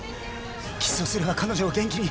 キスをすれば彼女を元気に。